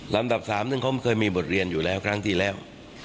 ลำดับ๓ซึ่งเขาเคยมีบทเรียนอยู่แล้วครั้งที่แล้ว